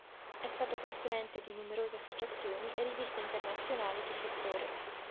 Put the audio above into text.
È stato consulente di numerose associazioni e riviste internazionali di settore.